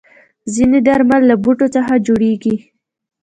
ځینې درمل له بوټو څخه جوړېږي.